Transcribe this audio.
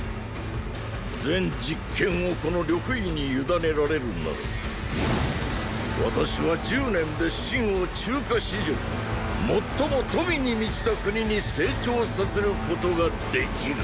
全実権をこの呂不韋にゆだねられるなら私は十年で秦を中華史上最も富に満ちた国に成長させることができる。